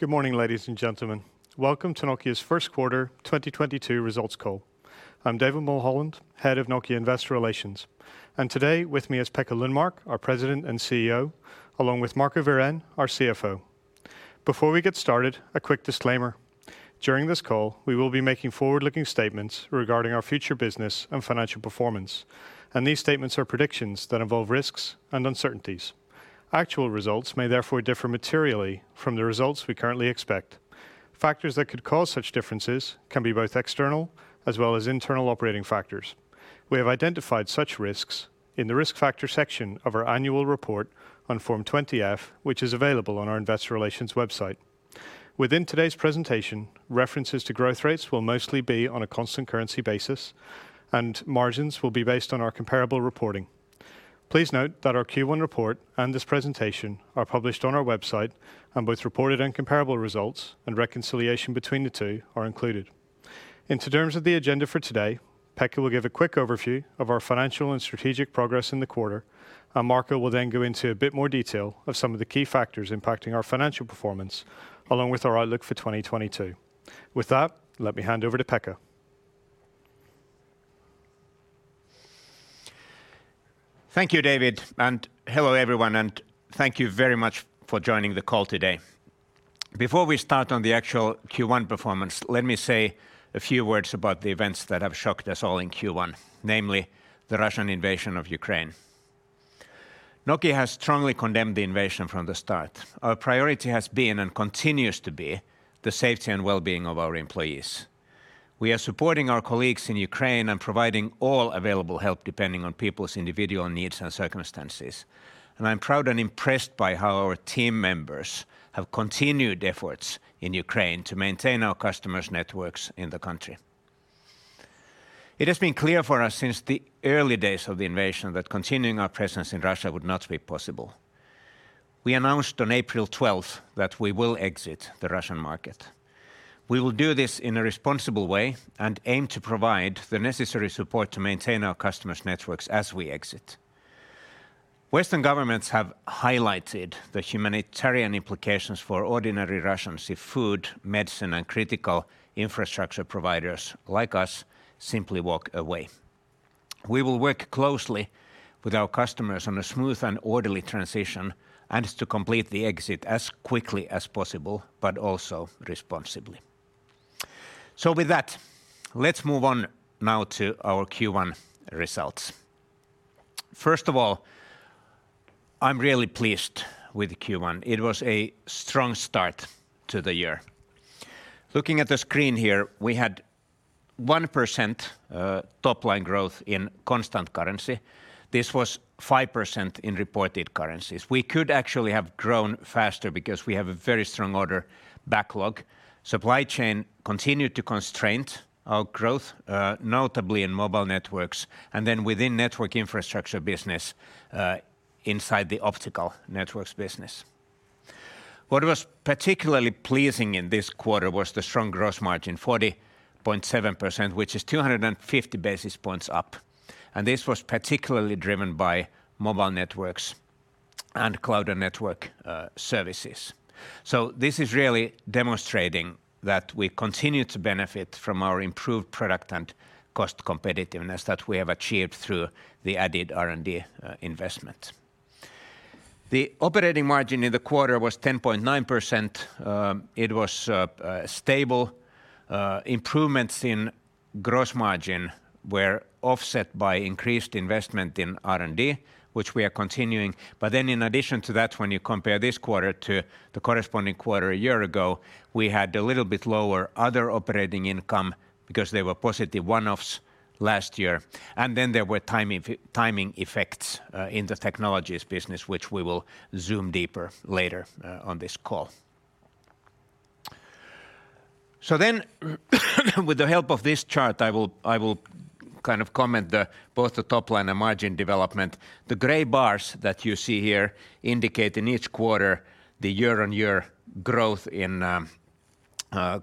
Good morning, ladies and gentlemen. Welcome to Nokia's First Quarter 2022 Results Call. I'm David Mulholland, Head of Nokia Investor Relations. Today with me is Pekka Lundmark, our President and CEO, along with Marco Wirén, our CFO. Before we get started, a quick disclaimer. During this call, we will be making forward-looking statements regarding our future business and financial performance, and these statements are predictions that involve risks and uncertainties. Actual results may therefore differ materially from the results we currently expect. Factors that could cause such differences can be both external as well as internal operating factors. We have identified such risks in the Risk Factor section of our annual report on Form 20-F, which is available on our investor relations website. Within today's presentation, references to growth rates will mostly be on a constant currency basis, and margins will be based on our comparable reporting. Please note that our Q1 report and this presentation are published on our website, and both reported and comparable results and reconciliation between the two are included. In terms of the agenda for today, Pekka will give a quick overview of our financial and strategic progress in the quarter, and Marco will then go into a bit more detail of some of the key factors impacting our financial performance, along with our outlook for 2022. With that, let me hand over to Pekka. Thank you, David, and hello everyone, and thank you very much for joining the call today. Before we start on the actual Q1 performance, let me say a few words about the events that have shocked us all in Q1, namely the Russian invasion of Ukraine. Nokia has strongly condemned the invasion from the start. Our priority has been, and continues to be, the safety and well-being of our employees. We are supporting our colleagues in Ukraine and providing all available help depending on people's individual needs and circumstances. I'm proud and impressed by how our team members have continued efforts in Ukraine to maintain our customers' networks in the country. It has been clear for us since the early days of the invasion that continuing our presence in Russia would not be possible. We announced on April 12 that we will exit the Russian market. We will do this in a responsible way and aim to provide the necessary support to maintain our customers' networks as we exit. Western governments have highlighted the humanitarian implications for ordinary Russians if food, medicine, and critical infrastructure providers like us simply walk away. We will work closely with our customers on a smooth and orderly transition, and to complete the exit as quickly as possible, but also responsibly. With that, let's move on now to our Q1 results. First of all, I'm really pleased with Q1. It was a strong start to the year. Looking at the screen here, we had 1% top line growth in constant currency. This was 5% in reported currencies. We could actually have grown faster because we have a very strong order backlog. Supply chain continued to constrain our growth, notably in Mobile Networks, and then within Network Infrastructure business, inside the Optical Networks business. What was particularly pleasing in this quarter was the strong gross margin, 40.7%, which is 250 basis points up. This was particularly driven by Mobile Networks and Cloud and Network Services. This is really demonstrating that we continue to benefit from our improved product and cost competitiveness that we have achieved through the added R&D investment. The operating margin in the quarter was 10.9%. It was stable. Improvements in gross margin were offset by increased investment in R&D, which we are continuing. In addition to that, when you compare this quarter to the corresponding quarter a year ago, we had a little bit lower other operating income because there were positive one-offs last year. There were timing effects in the technologies business, which we will zoom in deeper later on this call. With the help of this chart, I will kind of comment on both the top line and margin development. The gray bars that you see here indicate in each quarter the year-on-year growth in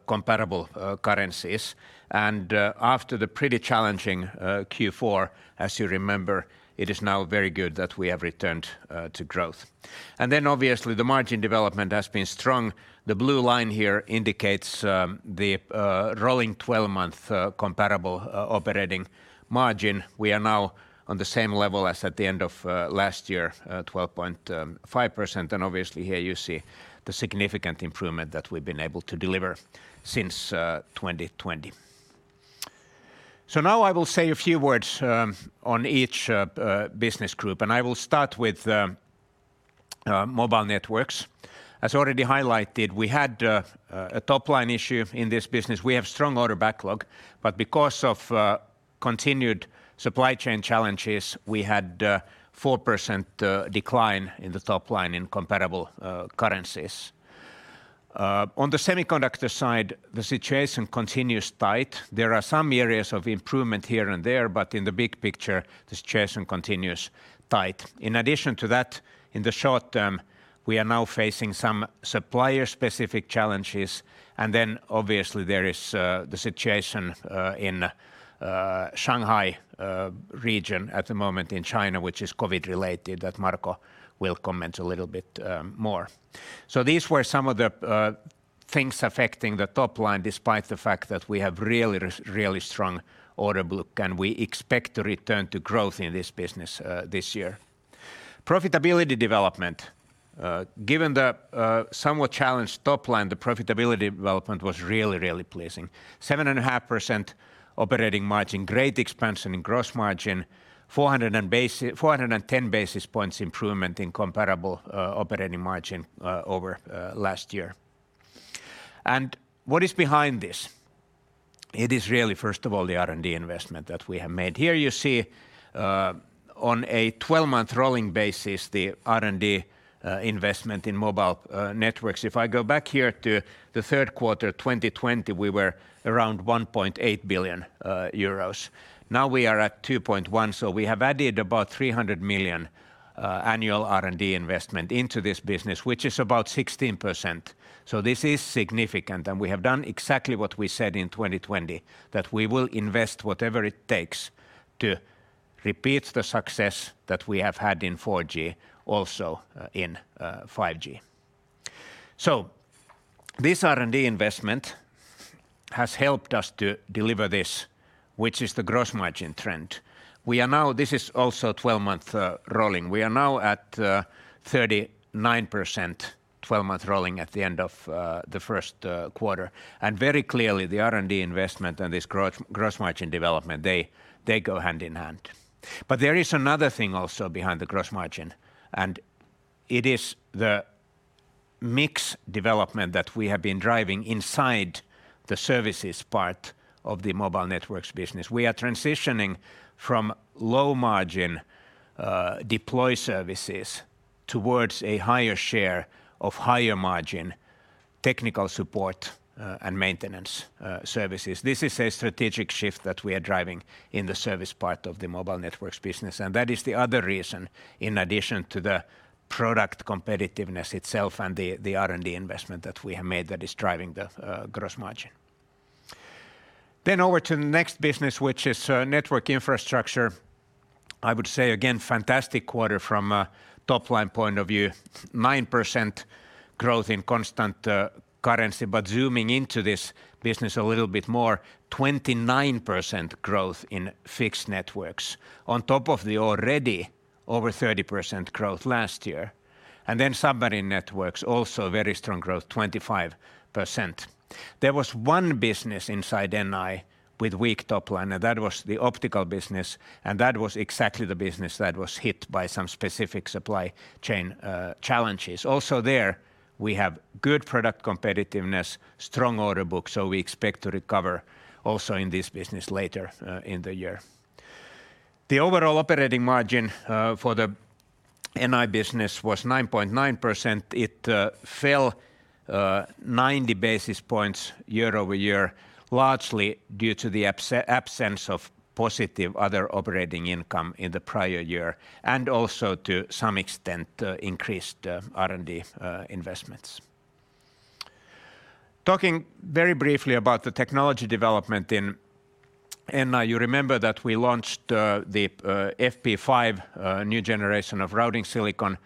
comparable currencies. After the pretty challenging Q4, as you remember, it is now very good that we have returned to growth. Obviously the margin development has been strong. The blue line here indicates the rolling 12-month comparable operating margin. We are now on the same level as at the end of last year, 12.5%. Obviously here you see the significant improvement that we've been able to deliver since 2020. Now I will say a few words on each business group, and I will start with Mobile Networks. As already highlighted, we had a top-line issue in this business. We have strong order backlog, but because of continued supply chain challenges, we had a 4% decline in the top line in comparable currencies. On the semiconductor side, the situation continues tight. There are some areas of improvement here and there, but in the big picture, the situation continues tight. In addition to that, in the short term, we are now facing some supplier-specific challenges. Obviously there is the situation in Shanghai region at the moment in China, which is COVID related, that Marco Wirén will comment a little bit more. These were some of the things affecting the top line despite the fact that we have really strong order book, and we expect to return to growth in this business this year. Profitability development. Given the somewhat challenged top line, the profitability development was really pleasing. 7.5% operating margin, great expansion in gross margin, 410 basis points improvement in comparable operating margin over last year. What is behind this? It is really, first of all, the R&D investment that we have made. Here you see on a twelve-month rolling basis the R&D investment in Mobile Networks. If I go back here to the third quarter 2020, we were around 1.8 billion euros. Now we are at 2.1 billion, so we have added about 300 million annual R&D investment into this business, which is about 16%. This is significant, and we have done exactly what we said in 2020, that we will invest whatever it takes to repeat the success that we have had in 4G also in 5G. This R&D investment has helped us to deliver this, which is the gross margin trend. We are now. This is also a twelve-month rolling. We are now at 39% twelve-month rolling at the end of the first quarter. Very clearly, the R&D investment and this gross margin development, they go hand in hand. There is another thing also behind the gross margin, and it is the mix development that we have been driving inside the services part of the Mobile Networks business. We are transitioning from low-margin deploy services towards a higher share of higher-margin technical support and maintenance services. This is a strategic shift that we are driving in the service part of the Mobile Networks business, and that is the other reason in addition to the product competitiveness itself and the R&D investment that we have made that is driving the gross margin. Over to the next business, which is Network Infrastructure. I would say again, fantastic quarter from a top-line point of view. 9% growth in constant currency, but zooming into this business a little bit more, 29% growth in Fixed Networks on top of the already over 30% growth last year. Submarine networks also very strong growth, 25%. There was one business inside NI with weak top line, and that was the Optical Networks business, and that was exactly the business that was hit by some specific supply chain challenges. Also there, we have good product competitiveness, strong order book, so we expect to recover also in this business later in the year. The overall operating margin for the NI business was 9.9%. It fell 90 basis points year-over-year, largely due to the absence of positive other operating income in the prior year and also to some extent increased R&D investments. Talking very briefly about the technology development in NI, you remember that we launched the FP5, new generation of routing silicon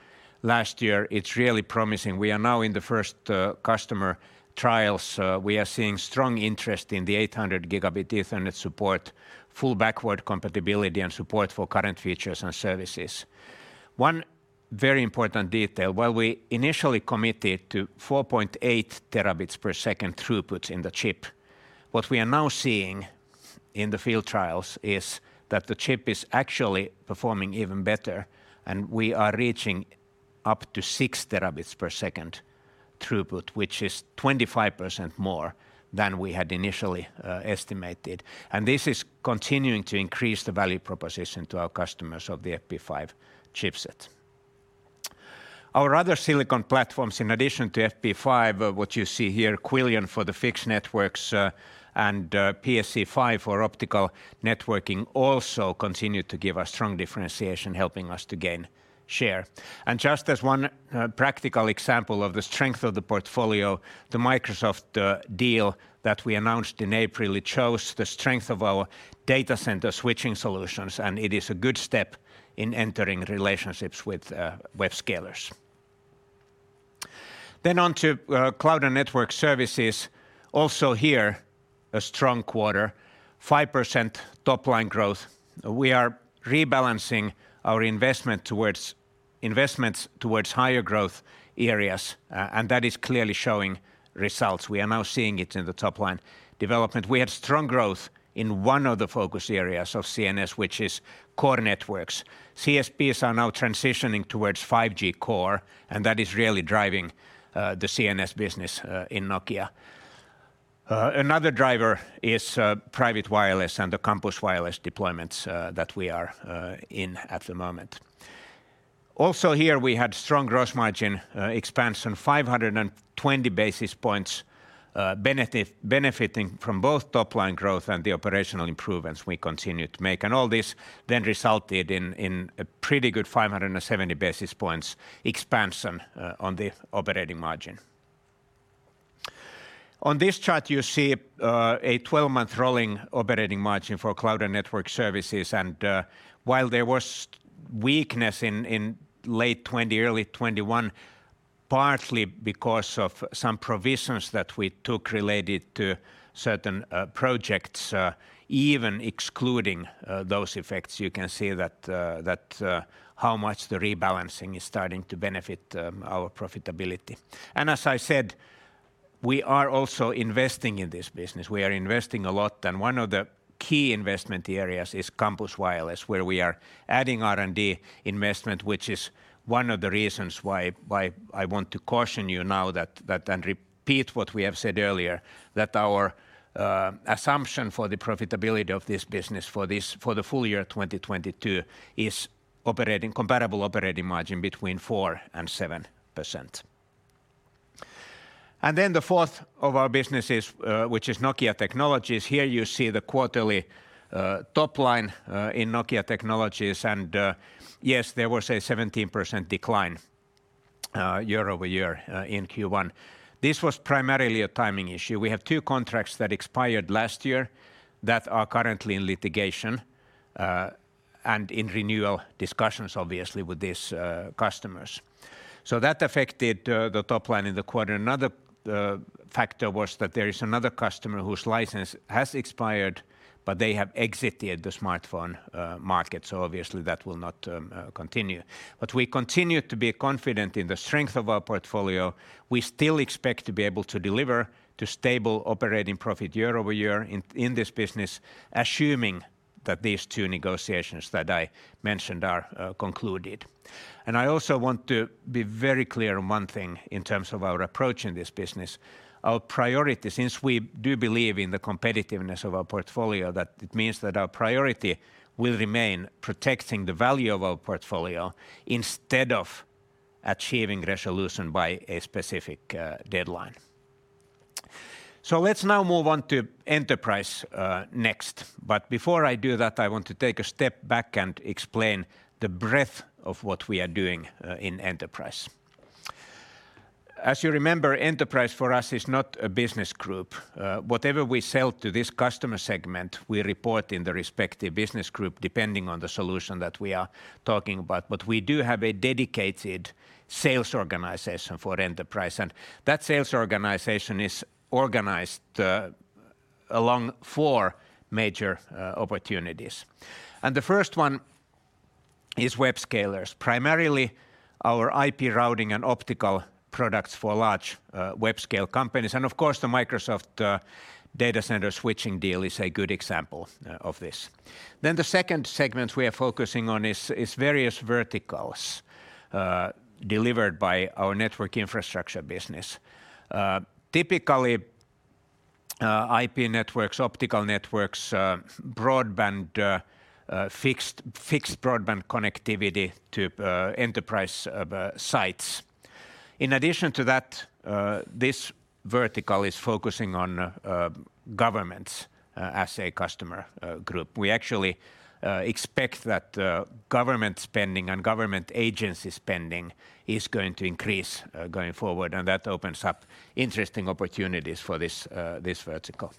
last year. It's really promising. We are now in the first customer trials. We are seeing strong interest in the 800 gigabit Ethernet support, full backward compatibility and support for current features and services. One very important detail, while we initially committed to 4.8 terabits per second throughput in the chip, what we are now seeing in the field trials is that the chip is actually performing even better, and we are reaching up to 6 terabits per second throughput, which is 25% more than we had initially estimated. This is continuing to increase the value proposition to our customers of the FP5 chipset. Our other silicon platforms, in addition to FP5, what you see here, Quillion for the Fixed Networks, and PSE-V for Optical Networks, also continue to give us strong differentiation, helping us to gain share. Just as one practical example of the strength of the portfolio, the Microsoft deal that we announced in April, it shows the strength of our data center switching solutions, and it is a good step in entering relationships with web scalers. On to Cloud and Network Services. Also here, a strong quarter, 5% top-line growth. We are rebalancing our investments towards higher growth areas, and that is clearly showing results. We are now seeing it in the top-line development. We had strong growth in one of the focus areas of CNS, which is core networks. CSPs are now transitioning towards 5G core, and that is really driving the CNS business in Nokia. Another driver is private wireless and the campus wireless deployments that we are in at the moment. Also here, we had strong gross margin expansion, 520 basis points, benefiting from both top-line growth and the operational improvements we continue to make. All this then resulted in a pretty good 570 basis points expansion on the operating margin. On this chart, you see a 12-month rolling operating margin for Cloud and Network Services. While there was weakness in late 2020, early 2021, partly because of some provisions that we took related to certain projects. Even excluding those effects, you can see that how much the rebalancing is starting to benefit our profitability. As I said, we are also investing in this business. We are investing a lot, and one of the key investment areas is campus wireless, where we are adding R&D investment, which is one of the reasons why I want to caution you now that, and repeat what we have said earlier, that our assumption for the profitability of this business for the full year 2022 is comparable operating margin between 4%-7%. Then the fourth of our businesses, which is Nokia Technologies. Here you see the quarterly top line in Nokia Technologies. Yes, there was a 17% decline year-over-year in Q1. This was primarily a timing issue. We have two contracts that expired last year that are currently in litigation and in renewal discussions, obviously, with these customers. So that affected the top line in the quarter. Another factor was that there is another customer whose license has expired, but they have exited the smartphone market. So obviously that will not continue. But we continue to be confident in the strength of our portfolio. We still expect to be able to deliver to stable operating profit year over year in this business, assuming that these two negotiations that I mentioned are concluded. I also want to be very clear on one thing in terms of our approach in this business. Our priority, since we do believe in the competitiveness of our portfolio, that it means that our priority will remain protecting the value of our portfolio instead of achieving resolution by a specific, deadline. Let's now move on to Enterprise, next. Before I do that, I want to take a step back and explain the breadth of what we are doing, in Enterprise. As you remember, Enterprise for us is not a business group. Whatever we sell to this customer segment, we report in the respective business group, depending on the solution that we are talking about. We do have a dedicated sales organization for Enterprise, and that sales organization is organized, along four major, opportunities. The first one is web scalers, primarily our IP routing and optical products for large, web scale companies. Of course the Microsoft data center switching deal is a good example of this. The second segment we are focusing on is various verticals delivered by our Network Infrastructure business. Typically, IP networks, Optical Networks, broadband, fixed broadband connectivity to enterprise sites. In addition to that, this vertical is focusing on governments as a customer group. We actually expect that government spending and government agency spending is going to increase going forward, and that opens up interesting opportunities for this vertical.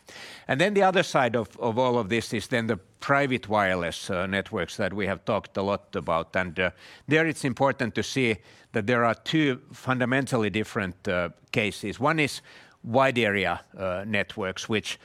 The other side of all of this is the private wireless networks that we have talked a lot about. There it's important to see that there are two fundamentally different cases. One is wide area networks, which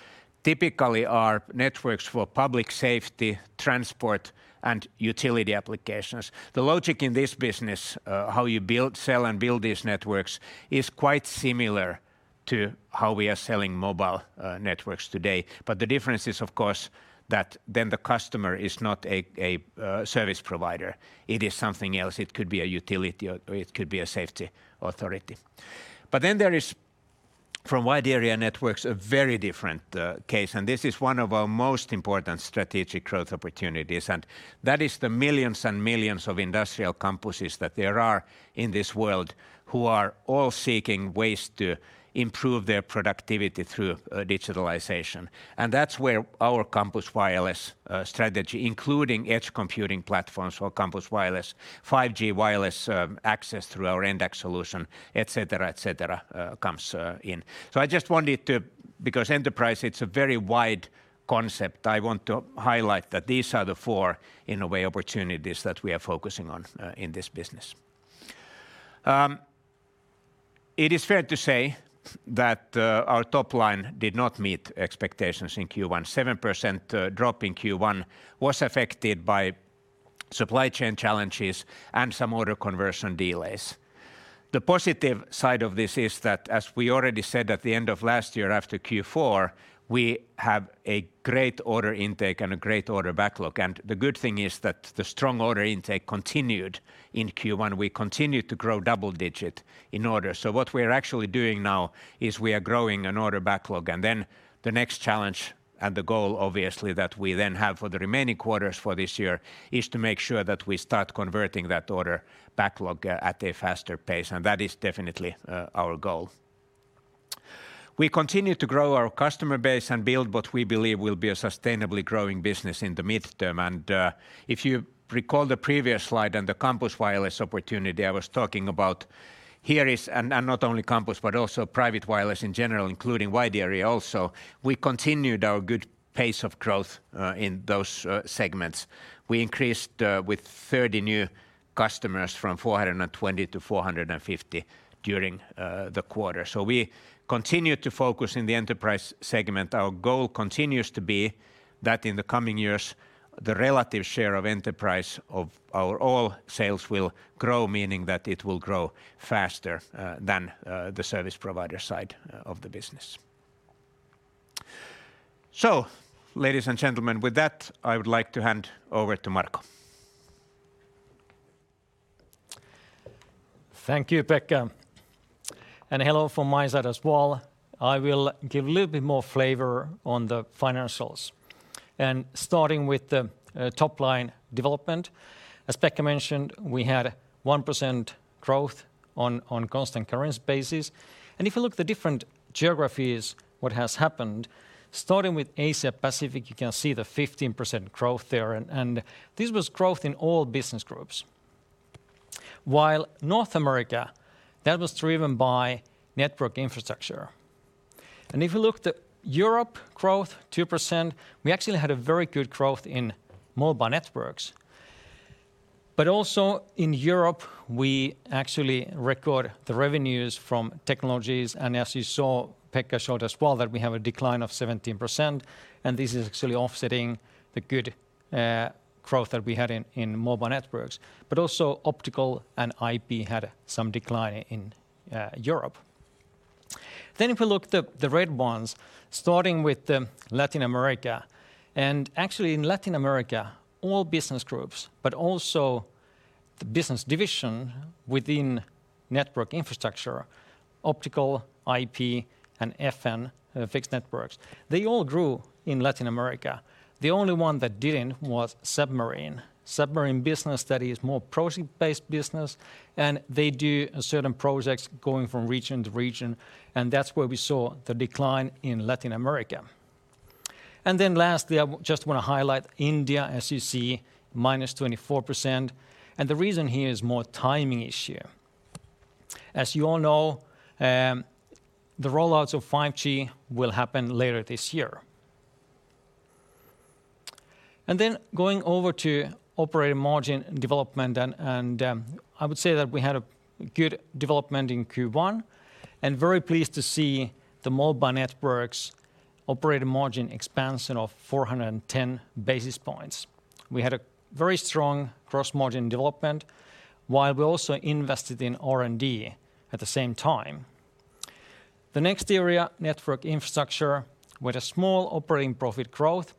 typically are networks for public safety, transport, and utility applications. The logic in this business, how you build, sell and build these networks, is quite similar to how we are selling mobile networks today. The difference is, of course, that then the customer is not a service provider. It is something else. It could be a utility or it could be a safety authority. There is from wide area networks, a very different case, and this is one of our most important strategic growth opportunities, and that is the millions and millions of industrial campuses that there are in this world who are all seeking ways to improve their productivity through digitalization. That's where our campus wireless strategy, including edge computing platforms for campus wireless, 5G wireless access through our NDAC solution, et cetera, et cetera, comes in. I just wanted to, because Enterprise, it's a very wide concept, I want to highlight that these are the four, in a way, opportunities that we are focusing on in this business. It is fair to say that our top line did not meet expectations in Q1. 7% drop in Q1 was affected by supply chain challenges and some order conversion delays. The positive side of this is that, as we already said at the end of last year after Q4, we have a great order intake and a great order backlog. The good thing is that the strong order intake continued in Q1. We continued to grow double-digit in orders. What we are actually doing now is we are growing an order backlog. Then the next challenge and the goal, obviously, that we then have for the remaining quarters for this year is to make sure that we start converting that order backlog at a faster pace. That is definitely our goal. We continue to grow our customer base and build what we believe will be a sustainably growing business in the medium term. If you recall the previous slide on the campus wireless opportunity I was talking about, here is and not only campus, but also private wireless in general, including wide area also. We continued our good pace of growth in those segments. We increased with 30 new customers from 420 to 450 during the quarter. We continue to focus in the enterprise segment. Our goal continues to be that in the coming years, the relative share of enterprise of our overall sales will grow, meaning that it will grow faster than the service provider side of the business. Ladies and gentlemen, with that, I would like to hand over to Marco. Thank you, Pekka. Hello from my side as well. I will give a little bit more flavor on the financials. Starting with the top-line development. As Pekka mentioned, we had 1% growth on constant currency basis. If you look at the different geographies, what has happened, starting with Asia Pacific, you can see the 15% growth there, and this was growth in all business groups. While North America, that was driven by Network Infrastructure. If you look at Europe growth, 2%, we actually had a very good growth in Mobile Networks. Also in Europe, we actually recorded the revenues from Technologies. As you saw, Pekka showed as well that we have a decline of 17%, and this is actually offsetting the good growth that we had in Mobile Networks. Also optical and IP had some decline in Europe. If you look at the red ones, starting with Latin America. In Latin America, all business groups, but also the business division within network infrastructure, optical, IP, and FN, fixed networks, they all grew in Latin America. The only one that didn't was submarine. Submarine business, that is more project-based business, and they do certain projects going from region to region, and that's where we saw the decline in Latin America. Just wanna highlight India, as you see, minus 24%. The reason here is more timing issue. As you all know, the roll-outs of 5G will happen later this year. Then going over to operating margin development, I would say that we had a good development in Q1, and very pleased to see the Mobile Networks operating margin expansion of 410 basis points. We had a very strong gross margin development, while we also invested in R&D at the same time. The next area, Network Infrastructure, with a small operating profit growth,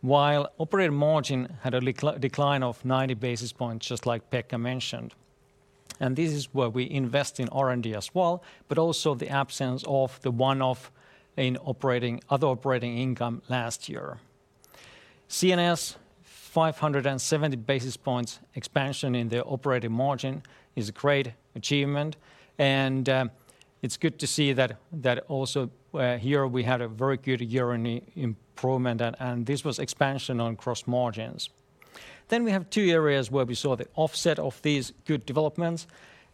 while operating margin had a decline of 90 basis points, just like Pekka mentioned. This is where we invest in R&D as well, but also the absence of the one-off in operating, other operating income last year. CNS, 570 basis points expansion in the operating margin is a great achievement, and it's good to see that also here we had a very good year on improvement, and this was expansion on gross margins. We have two areas where we saw the offset of these good developments,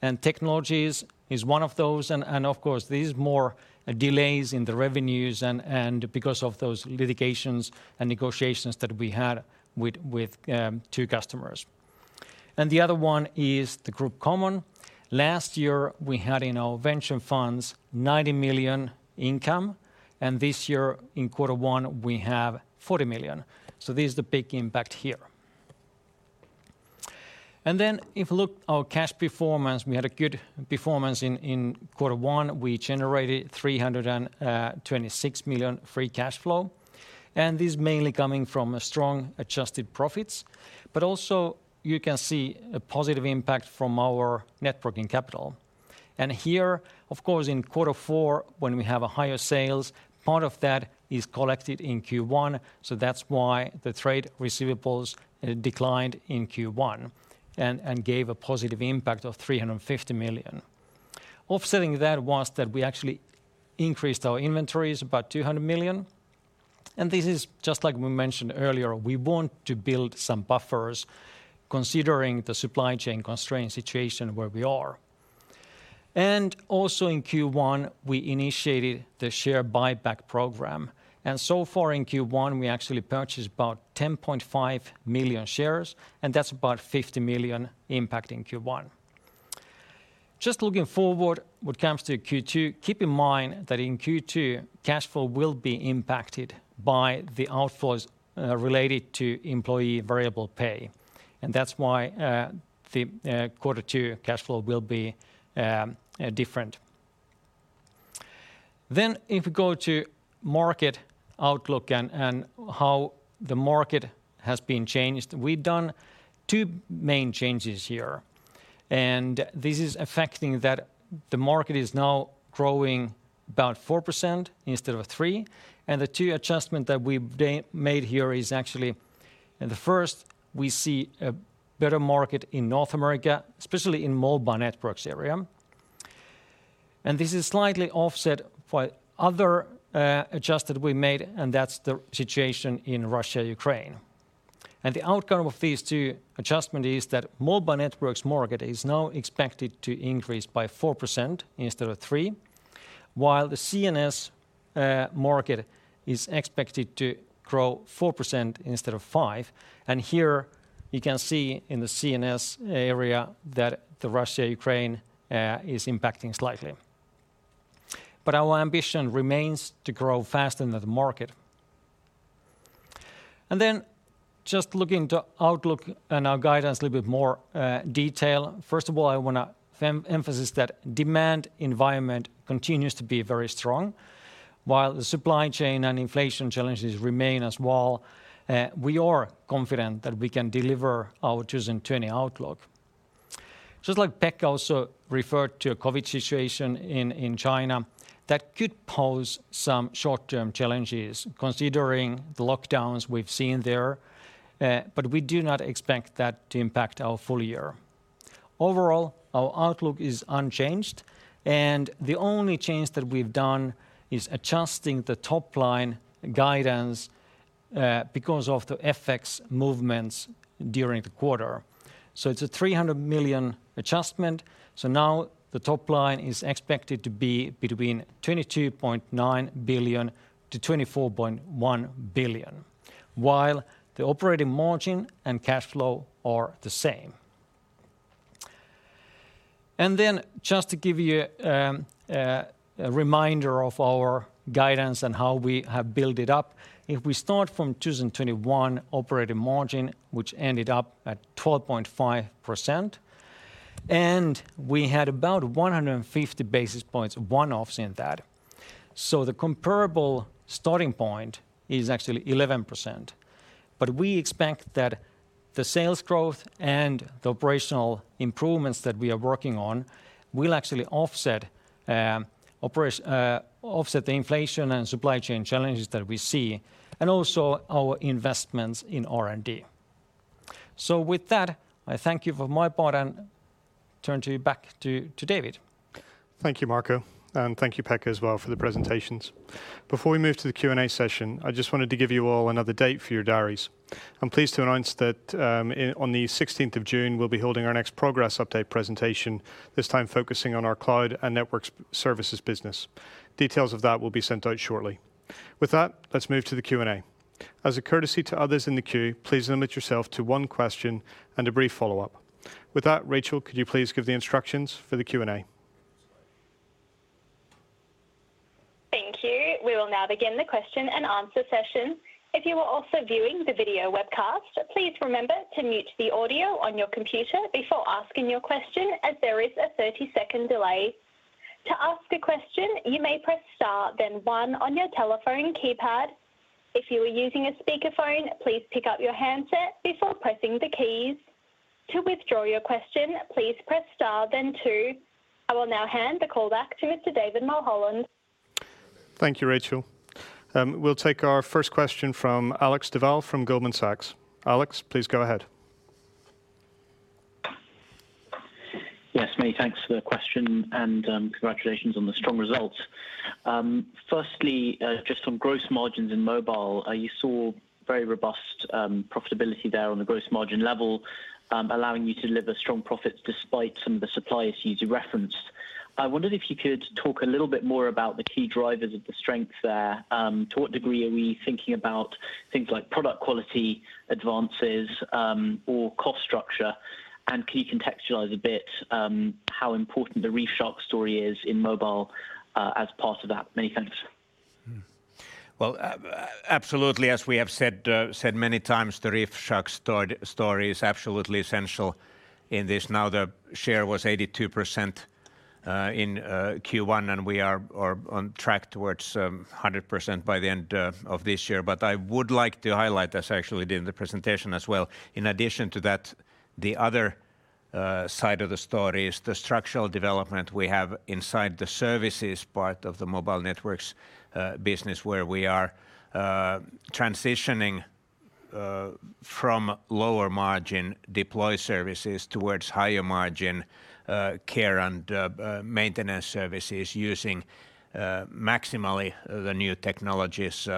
and Technologies is one of those, and of course, this is more delays in the revenues and because of those litigations and negotiations that we had with two customers. The other one is the Group common. Last year, we had in our venture funds 90 million income, and this year in quarter one, we have 40 million. This is the big impact here. If you look at our cash performance, we had a good performance in quarter one. We generated 326 million free cash flow. This mainly coming from strong adjusted profits. Also you can see a positive impact from our net working capital. Here, of course, in quarter four, when we have higher sales, part of that is collected in Q1, so that's why the trade receivables declined in Q1 and gave a positive impact of 350 million. Offsetting that was that we actually increased our inventories about 200 million. This is just like we mentioned earlier, we want to build some buffers considering the supply chain constraint situation where we are. Also in Q1, we initiated the share buyback program. So far in Q1, we actually purchased about 10.5 million shares, and that's about 50 million impact in Q1. Just looking forward, what comes to Q2, keep in mind that in Q2, cash flow will be impacted by the outflows related to employee variable pay. That's why the quarter two cash flow will be different. If you go to market outlook and how the market has been changed, we've done two main changes here. This is affecting that the market is now growing about 4% instead of 3%. The two adjustments that we've made here is actually the first we see better market in North America, especially in mobile networks area. This is slightly offset by other adjustment we made, and that's the situation in Russia, Ukraine. The outcome of these two adjustments is that mobile networks market is now expected to increase by 4% instead of 3%, while the CNS market is expected to grow 4% instead of 5%. Here you can see in the CNS area that the Russia, Ukraine is impacting slightly. Our ambition remains to grow faster than the market. Then just looking to the outlook and our guidance a little bit more detail. First of all, I wanna emphasize that the demand environment continues to be very strong. While the supply chain and inflation challenges remain as well, we are confident that we can deliver our 2020 outlook. Just like Pekka also referred to a COVID situation in China that could pose some short-term challenges considering the lockdowns we've seen there, but we do not expect that to impact our full year. Overall, our outlook is unchanged, and the only change that we've done is adjusting the top-line guidance, because of the FX movements during the quarter. It's a 300 million adjustment. Now the top line is expected to be between 22.9 billion-24.1 billion, while the operating margin and cash flow are the same. Then just to give you a reminder of our guidance and how we have built it up. If we start from 2021 operating margin, which ended up at 12.5%, and we had about 150 basis points one-offs in that. The comparable starting point is actually 11%. We expect that the sales growth and the operational improvements that we are working on will actually offset the inflation and supply chain challenges that we see, and also our investments in R&D. With that, I thank you for my part and turn to you back to David. Thank you, Marco, and thank you, Pekka, as well for the presentations. Before we move to the Q&A session, I just wanted to give you all another date for your diaries. I'm pleased to announce that on the sixteenth of June, we'll be holding our next progress update presentation, this time focusing on our Cloud and Network Services business. Details of that will be sent out shortly. With that, let's move to the Q&A. As a courtesy to others in the queue, please limit yourself to one question and a brief follow-up. With that, Rachel, could you please give the instructions for the Q&A? Thank you. We will now begin the question and answer session. If you are also viewing the video webcast, please remember to mute the audio on your computer before asking your question as there is a 30-second delay. To ask a question, you may press star then one on your telephone keypad. If you are using a speaker phone, please pick up your handset before pressing the keys. To withdraw your question, please press star then two. I will now hand the call back to Mr. David Mulholland. Thank you, Rachel. We'll take our first question from Alex Duval from Goldman Sachs. Alex, please go ahead. Yes, many thanks for the question and, congratulations on the strong results. Firstly, just on gross margins in mobile, you saw very robust profitability there on the gross margin level, allowing you to deliver strong profits despite some of the supply issues you referenced. I wondered if you could talk a little bit more about the key drivers of the strength there. To what degree are we thinking about things like product quality advances, or cost structure? Can you contextualize a bit, how important the ReefShark story is in mobile, as part of that? Many thanks. Well, absolutely, as we have said many times, the ReefShark story is absolutely essential in this. Now, the share was 82% in Q1, and we are on track towards 100% by the end of this year. I would like to highlight, as I actually did in the presentation as well, in addition to that, the other side of the story is the structural development we have inside the services part of the Mobile Networks business where we are transitioning from lower margin deploy services towards higher margin care and maintenance services using maximally the new technologies,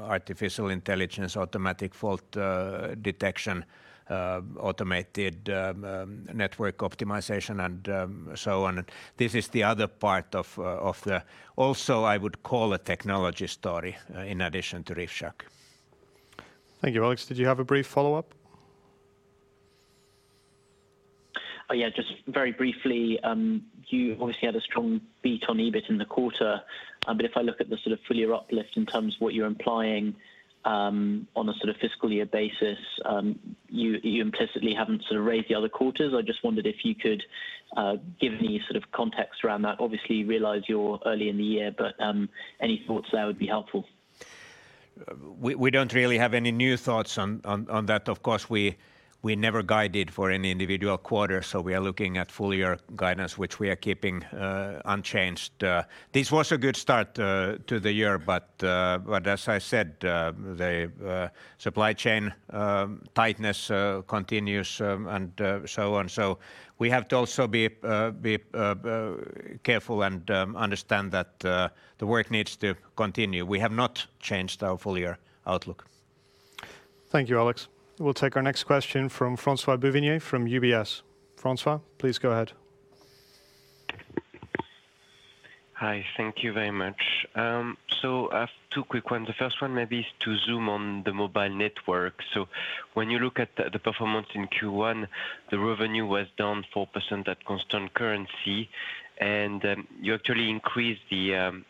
artificial intelligence, automatic fault detection, automated network optimization, and so on. This is the other part of the--Also, I would call a technology story in addition to ReefShark. Thank you. Alex, did you have a brief follow-up? Yeah, just very briefly. You obviously had a strong beat on EBIT in the quarter. If I look at the sort of full year uplift in terms of what you're implying, on a sort of fiscal year basis, you implicitly haven't sort of raised the other quarters. I just wondered if you could give any sort of context around that. Obviously, you realize you're early in the year, but any thoughts there would be helpful. We don't really have any new thoughts on that. Of course, we never guided for any individual quarter, so we are looking at full-year guidance which we are keeping unchanged. This was a good start to the year, but as I said, the supply chain tightness continues and so on. We have to also be careful and understand that the work needs to continue. We have not changed our full-year outlook. Thank you, Alex. We'll take our next question from François-Xavier Bouvignies from UBS. François, please go ahead. Hi. Thank you very much. I have two quick ones. The first one maybe is to zoom on the Mobile Networks. When you look at the performance in Q1, the revenue was down 4% at constant currency, and you actually increased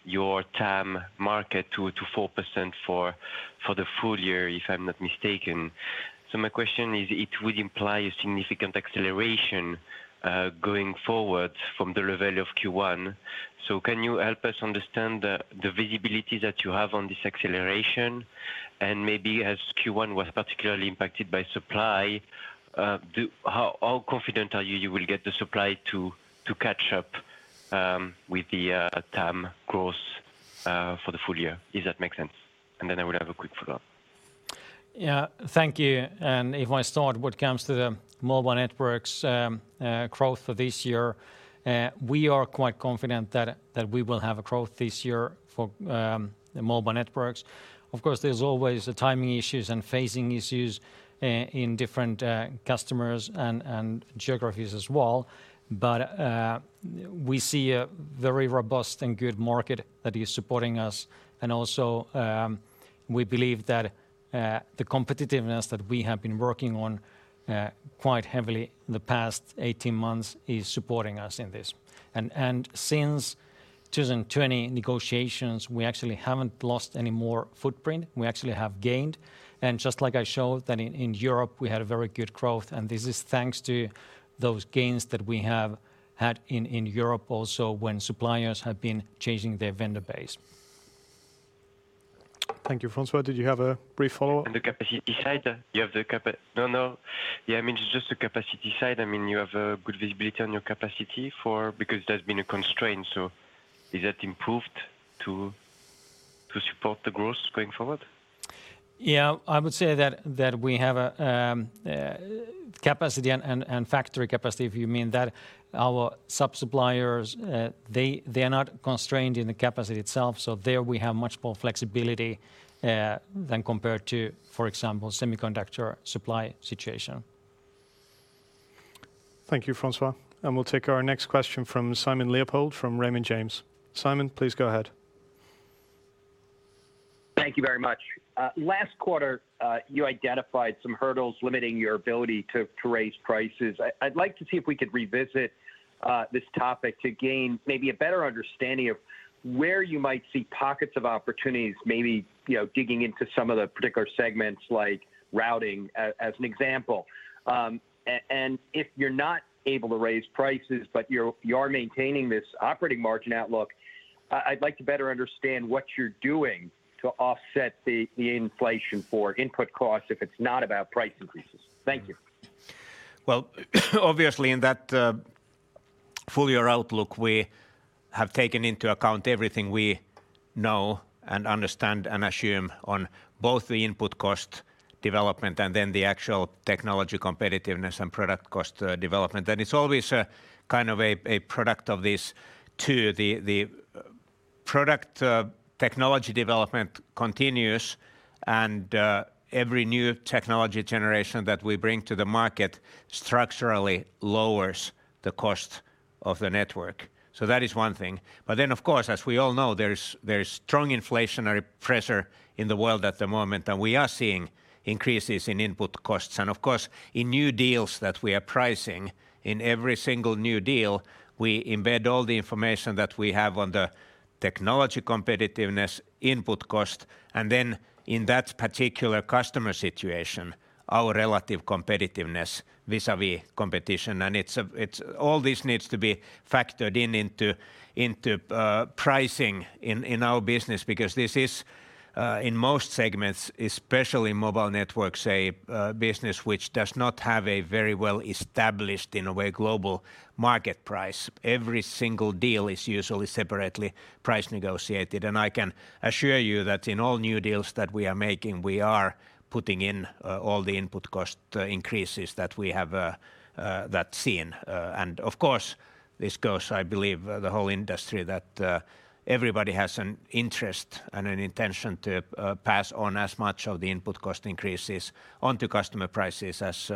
your TAM market to 4% for the full year, if I'm not mistaken. My question is it would imply a significant acceleration going forward from the level of Q1. Can you help us understand the visibility that you have on this acceleration? And maybe as Q1 was particularly impacted by supply, how confident are you you will get the supply to catch up with the TAM growth for the full year? If that makes sense. And then I would have a quick follow-up. Yeah. Thank you. If I start what comes to the Mobile Networks, growth for this year, we are quite confident that we will have a growth this year for the Mobile Networks. Of course, there's always timing issues and phasing issues in different customers and geographies as well. We see a very robust and good market that is supporting us. Also, we believe that the competitiveness that we have been working on quite heavily in the past 18 months is supporting us in this. Since 2020 negotiations, we actually haven't lost any more footprint. We actually have gained. Just like I showed that in Europe, we had a very good growth, and this is thanks to those gains that we have had in Europe also when suppliers have been changing their vendor base. Thank you. François, did you have a brief follow-up? Yeah, I mean, just the capacity side. I mean, you have good visibility on your capacity, because there's been a constraint. Is that improved to support the growth going forward? Yeah. I would say that we have a capacity and factory capacity if you mean that our sub-suppliers, they are not constrained in the capacity itself. There we have much more flexibility than compared to, for example, semiconductor supply situation. Thank you, François. We'll take our next question from Simon Leopold from Raymond James. Simon, please go ahead. Thank you very much. Last quarter, you identified some hurdles limiting your ability to raise prices. I'd like to see if we could revisit this topic to gain maybe a better understanding of where you might see pockets of opportunities, maybe, you know, digging into some of the particular segments like routing, as an example. If you're not able to raise prices but you're maintaining this operating margin outlook, I'd like to better understand what you're doing to offset the inflation for input costs if it's not about price increases. Thank you. Well, obviously, in that full-year outlook, we have taken into account everything we know and understand and assume on both the input cost development and then the actual technology competitiveness and product cost development. It's always kind of a product of these two. The product technology development continues and every new technology generation that we bring to the market structurally lowers the cost of the network. That is one thing. Of course, as we all know, there's strong inflationary pressure in the world at the moment, and we are seeing increases in input costs. In new deals that we are pricing, in every single new deal, we embed all the information that we have on the technology competitiveness, input cost, and then in that particular customer situation, our relative competitiveness vis-à-vis competition. All this needs to be factored into pricing in our business because this is in most segments, especially in Mobile Networks, a business which does not have a very well-established, in a way, global market price. Every single deal is usually separately price-negotiated. I can assure you that in all new deals that we are making, we are putting in all the input cost increases that we have that we've seen. Of course, this goes, I believe, for the whole industry that everybody has an interest and an intention to pass on as much of the input cost increases onto customer prices as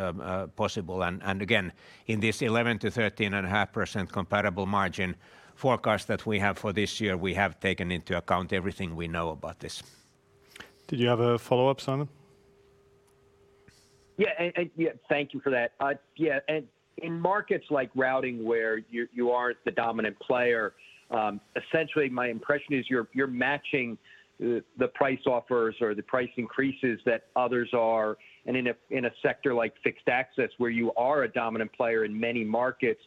possible. Again, in this 11%-13.5% comparable margin forecast that we have for this year, we have taken into account everything we know about this. Did you have a follow-up, Simon? Thank you for that. In markets like routing where you aren't the dominant player, essentially, my impression is you're matching the price offers or the price increases that others are. In a sector like fixed access where you are a dominant player in many markets,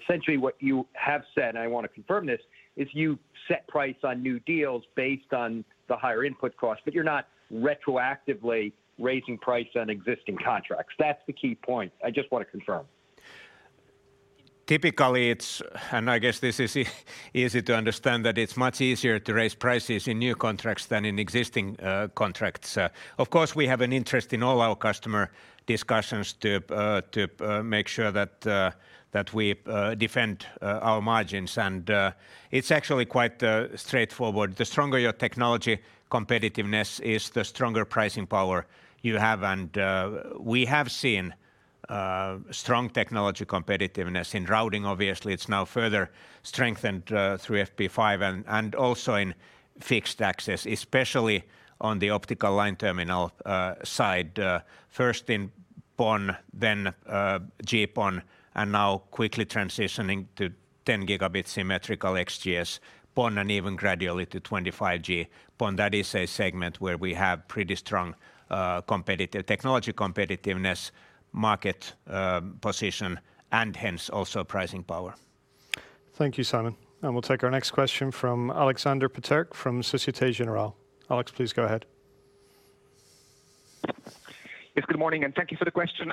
essentially what you have said, and I wanna confirm this, is you set price on new deals based on the higher input cost, but you're not retroactively raising price on existing contracts. That's the key point. I just wanna confirm. Typically it's, and I guess this is easy to understand, that it's much easier to raise prices in new contracts than in existing contracts. Of course, we have an interest in all our customer discussions to make sure that we defend our margins. It's actually quite straightforward. The stronger your technology competitiveness is, the stronger pricing power you have. We have seen strong technology competitiveness in routing obviously it's now further strengthened through FP5 and also in fixed access, especially on the optical line terminal side, first in PON then GPON and now quickly transitioning to 10-gigabit symmetrical XGS-PON and even gradually to 25G PON. That is a segment where we have pretty strong competitive technology competitiveness market position and hence also pricing power. Thank you, Simon. We'll take our next question from Aleksander Peterc from Société Générale. Alex, please go ahead. Yes, good morning, and thank you for the question.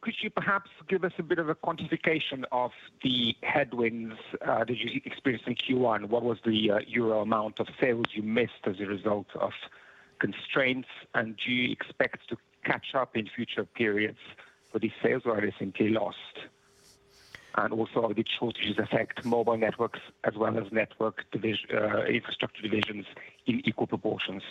Could you perhaps give us a bit of a quantification of the headwinds that you experienced in Q1? What was the euro amount of sales you missed as a result of constraints? Do you expect to catch up in future periods for these sales that are essentially lost? Did shortages affect mobile networks as well as network infrastructure divisions in equal proportions?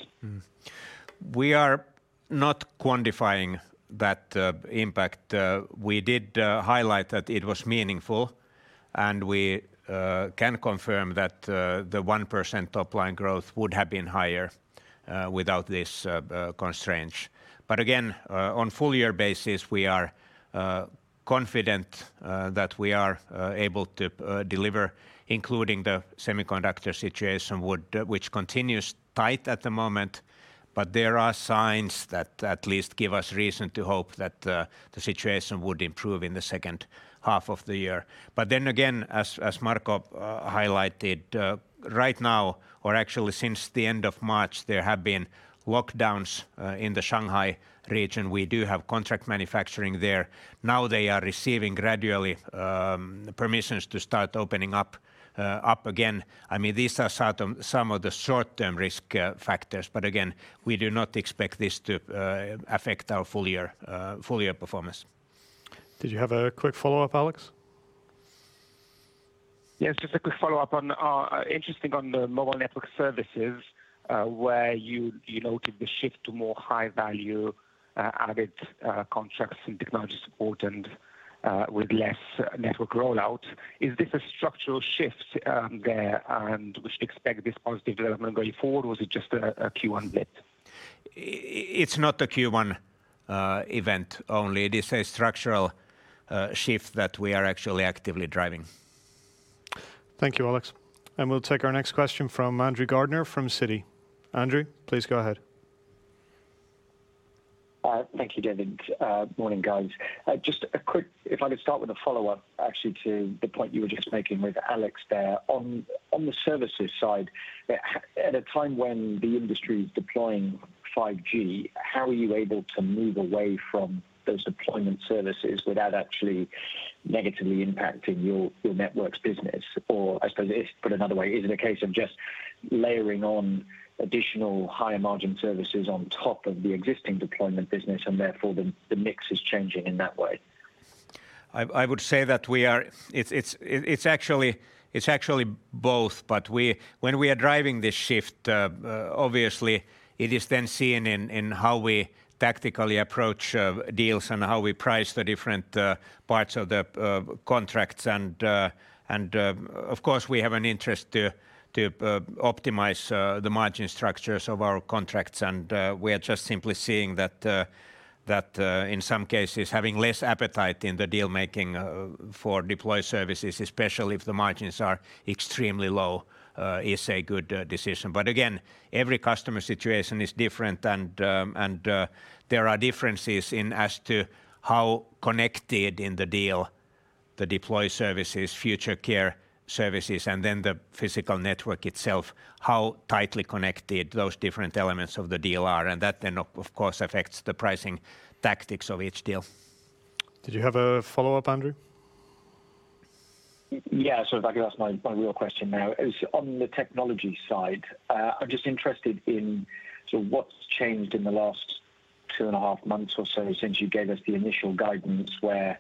We are not quantifying that impact. We did highlight that it was meaningful, and we can confirm that the 1% top line growth would have been higher without this constraints. Again, on full year basis, we are confident that we are able to deliver, including the semiconductor situation which continues tight at the moment, but there are signs that at least give us reason to hope that the situation would improve in the second half of the year. Then again, as Marco highlighted, right now or actually since the end of March, there have been lockdowns in the Shanghai region. We do have contract manufacturing there. Now they are receiving gradually permissions to start opening up again. I mean, these are some of the short-term risk factors. Again, we do not expect this to affect our full year performance. Did you have a quick follow-up, Alex? Yes, just a quick follow-up on interesting on the Mobile Networks, where you noted the shift to more high value added contracts and technology support and with less network rollout. Is this a structural shift there and we should expect this positive development going forward, or is it just a Q1 blip? It's not a Q1 event only. It is a structural shift that we are actually actively driving. Thank you, Alex. We'll take our next question from Andrew Gardiner from Citi. Andrew, please go ahead. Thank you, David. Morning, guys. Just a quick. If I could start with a follow-up actually to the point you were just making with Alex there. On the services side, at a time when the industry is deploying 5G, how are you able to move away from those deployment services without actually negatively impacting your networks business? Or I suppose if put another way, is it a case of just layering on additional higher margin services on top of the existing deployment business and therefore the mix is changing in that way? I would say that it's actually both, but when we are driving this shift, obviously it is then seen in how we tactically approach deals and how we price the different parts of the contracts. Of course, we have an interest to optimize the margin structures of our contracts. We are just simply seeing that in some cases, having less appetite in the deal-making for deploy services, especially if the margins are extremely low, is a good decision. Again, every customer situation is different and there are differences as to how connected in the deal the deploy services, future care services, and then the physical network itself, how tightly connected those different elements of the deal are. That, then, of course, affects the pricing tactics of each deal. Did you have a follow-up, Andrew? Yeah. If I could ask my real question now. On the technology side, I'm just interested in sort of what's changed in the last two and a half months or so since you gave us the initial guidance where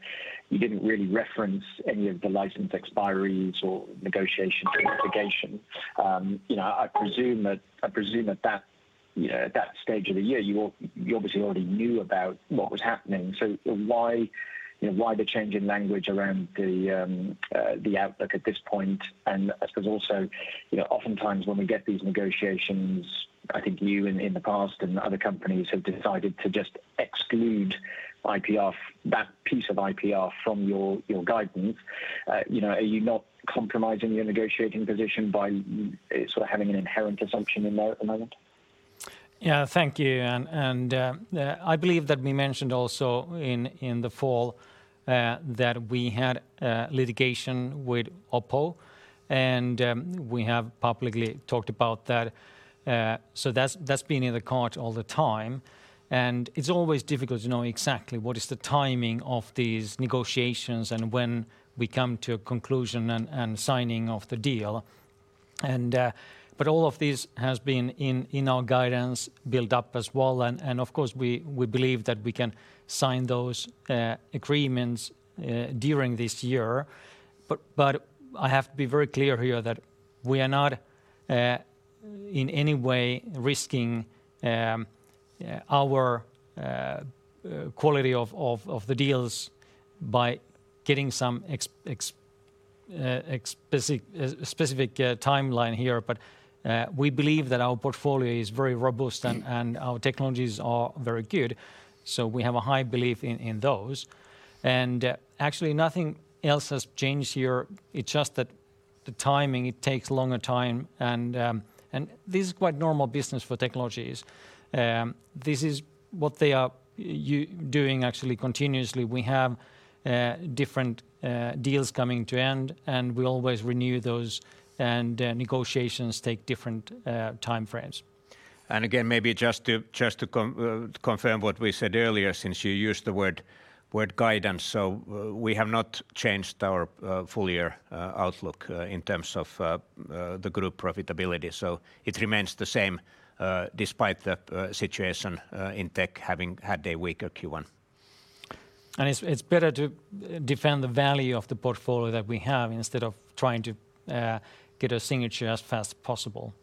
you didn't really reference any of the license expiries or negotiation litigation. You know, I presume that at that stage of the year, you obviously already knew about what was happening. Why, you know, why the change in language around the outlook at this point? I suppose also, you know, oftentimes when we get these negotiations, I think you in the past and other companies have decided to just exclude IPR, that piece of IPR from your guidance. You know, are you not compromising your negotiating position by sort of having an inherent assumption in there at the moment? Yeah, thank you. I believe that we mentioned also in the fall that we had litigation with Oppo, and we have publicly talked about that. That's been in the court all the time. It's always difficult to know exactly what is the timing of these negotiations and when we come to a conclusion and signing of the deal. All of this has been in our guidance built up as well. Of course we believe that we can sign those agreements during this year. I have to be very clear here that we are not in any way risking our quality of the deals by getting some specific timeline here. We believe that our portfolio is very robust and our technologies are very good, so we have a high belief in those. Actually nothing else has changed here. It's just that the timing it takes a longer time and this is quite normal business for technologies. This is what they are doing actually continuously. We have different deals coming to end, and we always renew those, and negotiations take different time frames. Again, maybe just to confirm what we said earlier, since you used the word guidance. We have not changed our full year outlook in terms of the group profitability. It remains the same despite the situation in tech having had a weaker Q1. It's better to defend the value of the portfolio that we have instead of trying to get a signature as fast as possible.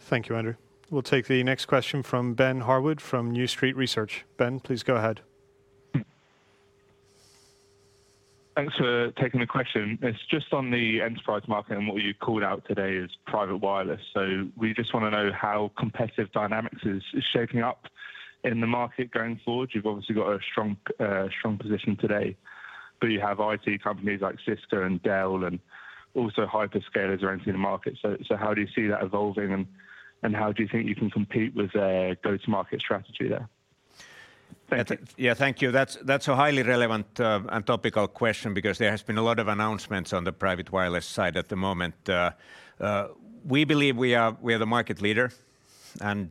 Thank you, Andrew. We'll take the next question from Ben Harwood from New Street Research. Ben, please go ahead. Thanks for taking the question. It's just on the enterprise market and what you called out today as private wireless. We just wanna know how competitive dynamics is shaping up in the market going forward. You've obviously got a strong position today, but you have IT companies like Cisco and Dell and also hyperscalers are entering the market. How do you see that evolving and how do you think you can compete with their go-to-market strategy there? Yeah. Thank you. That's a highly relevant and topical question because there has been a lot of announcements on the private wireless side at the moment. We believe we are the market leader, and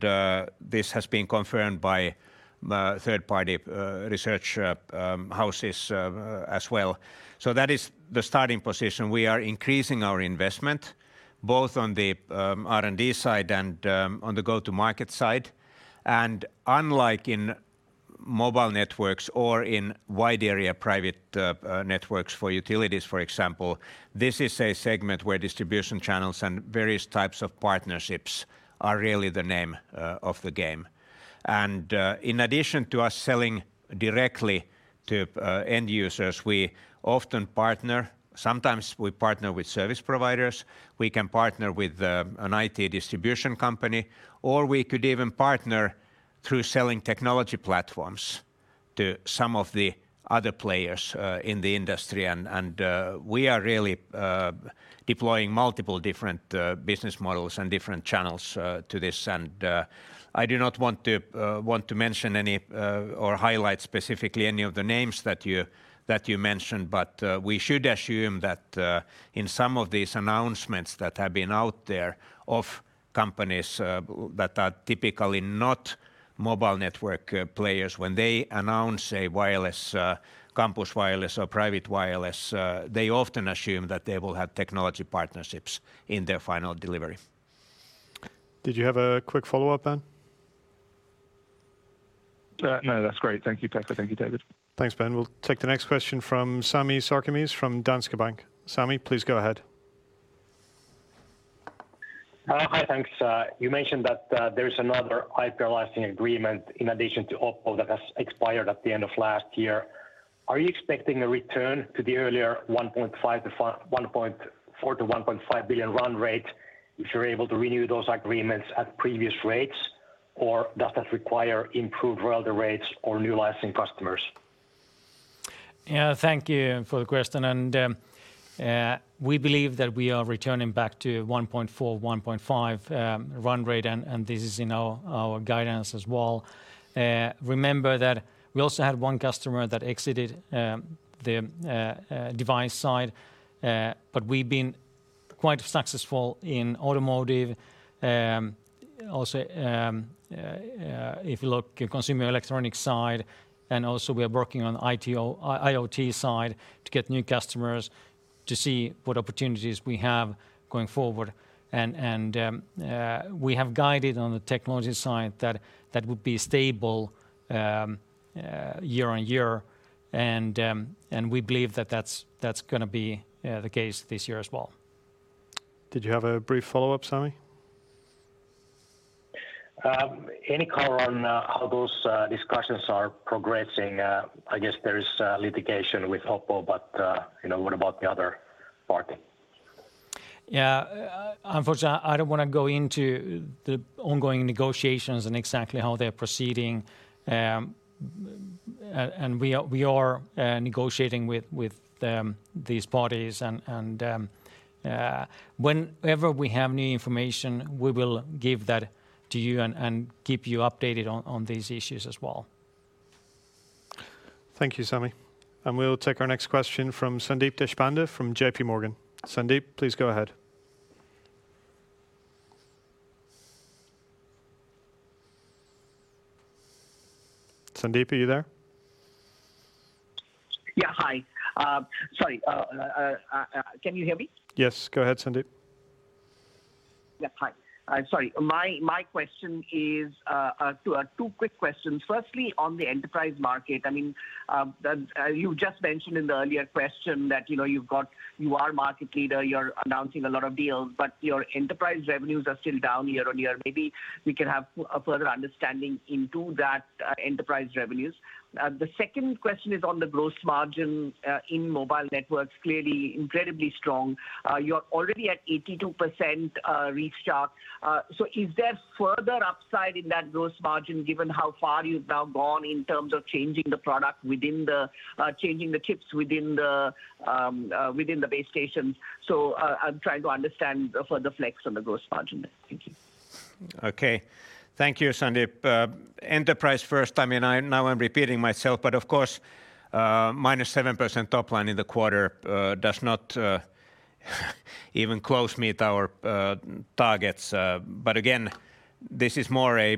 this has been confirmed by third party research houses as well. So that is the starting position. We are increasing our investment both on the R&D side and on the go-to-market side. Unlike in mobile networks or in wide area private networks for utilities, for example, this is a segment where distribution channels and various types of partnerships are really the name of the game. In addition to us selling directly to end users, we often partner. Sometimes we partner with service providers. We can partner with an IT distribution company, or we could even partner through selling technology platforms to some of the other players in the industry. We are really deploying multiple different business models and different channels to this. I do not want to mention any or highlight specifically any of the names that you mentioned, but we should assume that in some of these announcements that have been out there of companies that are typically not mobile network players, when they announce a wireless campus wireless or private wireless, they often assume that they will have technology partnerships in their final delivery. Did you have a quick follow-up, Ben? No, that's great. Thank you, Pekka. Thank you, David. Thanks, Ben. We'll take the next question from Sami Sarkamies from Danske Bank. Sami, please go ahead. You mentioned that there is another IP licensing agreement in addition to Oppo that has expired at the end of last year. Are you expecting a return to the earlier 1.4 billion-1.5 billion run rate if you're able to renew those agreements at previous rates? Does that require improved royalty rates or new licensing customers? Yeah. Thank you for the question. We believe that we are returning back to 1.4 billion-1.5 billion run rate and this is in our guidance as well. Remember that we also had one customer that exited the device side. We've been quite successful in automotive. Also, if you look at consumer electronics side, and also we are working on IoT side to get new customers to see what opportunities we have going forward. We have guided on the technology side that that would be stable year-on-year. We believe that that's gonna be the case this year as well. Did you have a brief follow-up, Sami? Any call on how those discussions are progressing? I guess there is litigation with Oppo, but you know, what about the other party? Yeah. Unfortunately, I don't wanna go into the ongoing negotiations and exactly how they're proceeding. We are negotiating with these parties and whenever we have new information, we will give that to you and keep you updated on these issues as well. Thank you, Sami. We'll take our next question from Sandeep Deshpande from JP Morgan. Sandeep, please go ahead. Sandeep, are you there? Yeah. Hi. Sorry. Can you hear me? Yes. Go ahead, Sandeep. Yeah. Hi. I'm sorry. My question is two quick questions. Firstly, on the enterprise market. I mean, you just mentioned in the earlier question that, you know, you are market leader, you're announcing a lot of deals, but your enterprise revenues are still down year-over-year. Maybe we can have further understanding into that enterprise revenues. The second question is on the gross margin in Mobile Networks. Clearly incredibly strong. You're already at 82%, ReefShark. So is there further upside in that gross margin given how far you've now gone in terms of changing the chips within the base stations? I'm trying to understand the further flex on the gross margin. Thank you. Okay. Thank you, Sandeep. Enterprise first. I mean, now I'm repeating myself, but of course, -7% top line in the quarter does not even close meet our targets. But again, this is more a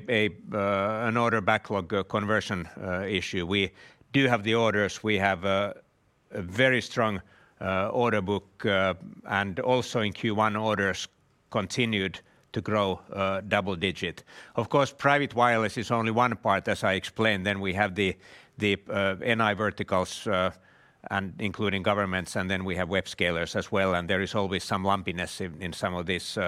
an order backlog conversion issue. We do have the orders. We have a very strong order book, and also in Q1, orders continued to grow double-digit. Of course, private wireless is only one part, as I explained. Then we have the NI verticals, and including governments, and then we have web scalers as well, and there is always some lumpiness in some of these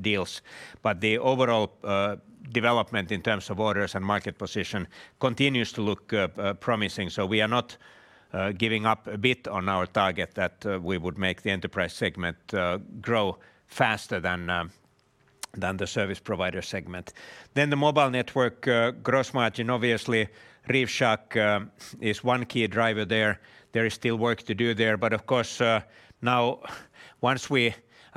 deals. The overall development in terms of orders and market position continues to look promising. We are not giving up a bit on our target that we would make the enterprise segment grow faster than the service provider segment. The Mobile Networks gross margin, obviously ReefShark is one key driver there. There is still work to do there. But of course, I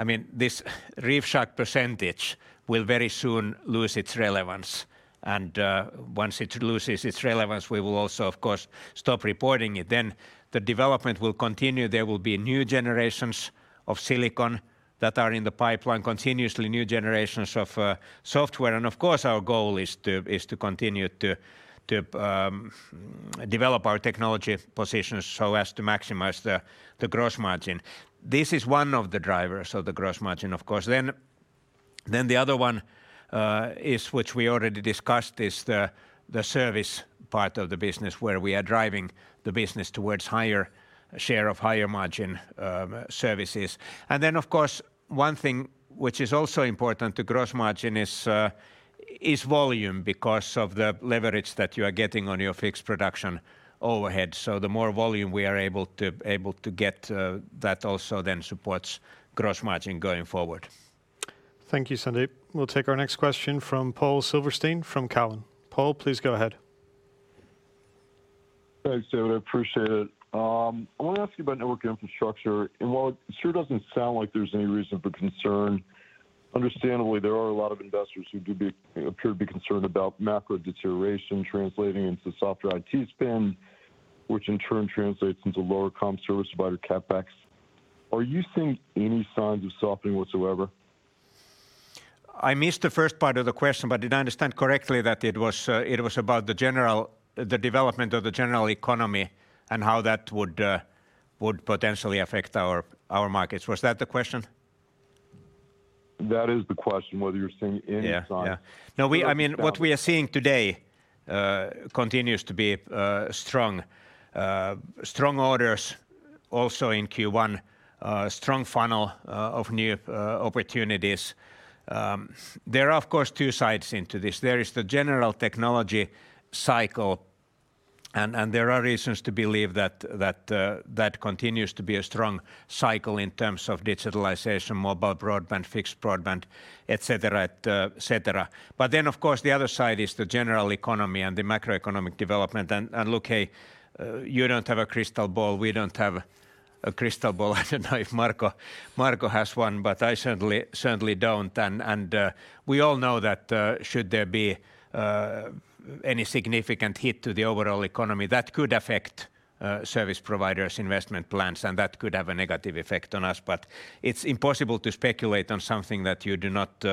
mean, this ReefShark percentage will very soon lose its relevance. Once it loses its relevance, we will also of course stop reporting it. The development will continue. There will be new generations of silicon that are in the pipeline, continuously new generations of software. Of course our goal is to develop our technology positions so as to maximize the gross margin. This is one of the drivers of the gross margin, of course. The other one, which we already discussed, is the service part of the business where we are driving the business towards higher share of higher margin services. Of course one thing which is also important to gross margin is volume because of the leverage that you are getting on your fixed production overhead. The more volume we are able to get, that also then supports gross margin going forward. Thank you, Sandeep. We'll take our next question from Paul Silverstein from Cowen. Paul, please go ahead. Thanks, David. I appreciate it. I wanna ask you about network infrastructure. While it sure doesn't sound like there's any reason for concern, understandably there are a lot of investors who appear to be concerned about macro deterioration translating into softer IT spend, which in turn translates into lower comm service provider CapEx. Are you seeing any signs of softening whatsoever? I missed the first part of the question, but did I understand correctly that it was about the general, the development of the general economy and how that would potentially affect our markets? Was that the question? That is the question, whether you're seeing any signs. Yeah. If it's not. I mean, what we are seeing today continues to be strong. Strong orders also in Q1. Strong funnel of new opportunities. There are of course two sides to this. There is the general technology cycle and there are reasons to believe that that continues to be a strong cycle in terms of digitalization, mobile broadband, fixed broadband, et cetera, et cetera. Then of course the other side is the general economy and the macroeconomic development. Look, hey, you don't have a crystal ball. We don't have a crystal ball. I don't know if Marco has one, but I certainly don't. We all know that should there be any significant hit to the overall economy, that could affect service providers' investment plans and that could have a negative effect on us. It's impossible to speculate on something that you do not